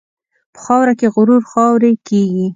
په خاوره کې غرور خاورې کېږي.